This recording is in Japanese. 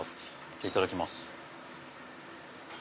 いただきます。